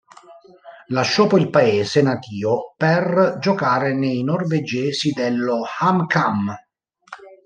Lasciò poi il paese natio per giocare nei norvegesi dello HamKam.